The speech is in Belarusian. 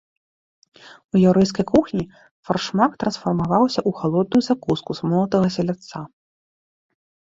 У яўрэйскай кухні фаршмак трансфармаваўся ў халодную закуску з молатага селядца.